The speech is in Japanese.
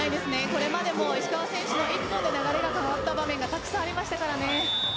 これまでも石川選手の１本で流れが変わった場面がたくさんありました。